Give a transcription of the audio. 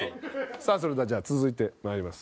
さあそれではじゃあ続いてまいります。